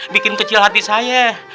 bikin kecil hati saya